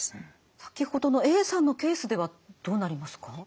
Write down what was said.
先ほどのＡさんのケースではどうなりますか？